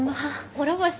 諸星さん。